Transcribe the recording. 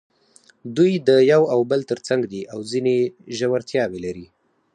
دوی د یو او بل تر څنګ دي او ځینې ژورتیاوې لري.